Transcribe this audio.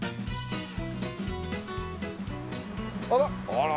あら！